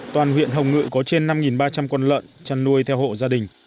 toàn huyện hồng ngự có trên năm ba trăm linh con lợn chăn nuôi theo hộ gia đình